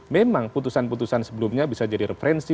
memang putusan putusan sebelumnya bisa jadi referensi